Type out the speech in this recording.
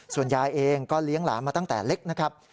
ส่วนยายเองก็เลี้ยงหลานมาตั้งแต่เล็กนะครับ